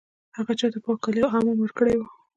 هغه ته چا پاک کالي او حمام هم ورکړی و